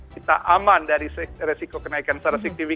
kita aman dari resiko kenaikan sars cov dua